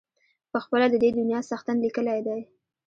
پخپله د دې دنیا څښتن لیکلی دی.